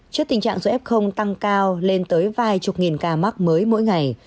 trước tình trạng số f tăng cao lên tới vài chục nghìn ca mắc mới mỗi ngày